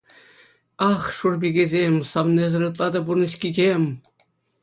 Ах, шур пикесем, савнисӗр ытла та пурнӑҫ кичем.